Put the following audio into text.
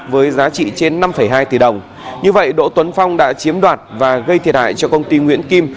với giá trị trên năm hai tỷ đồng như vậy đỗ tuấn phong đã chiếm đoạt và gây thiệt hại cho công ty nguyễn kim